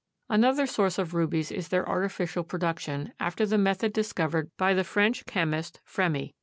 Another source of rubies is their artificial production, after the method discovered by the French chemist Fremy.